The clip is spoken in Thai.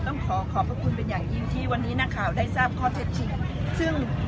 ต้องขอขอบพระคุณเป็นอย่างยิ่งที่วันนี้นักข่าวได้ทราบข้อเท็จจริงซึ่ง